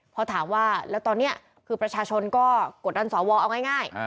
พอถามว่าแล้วตอนนี้คือประชาชนก็กดดันสวเอาง่าย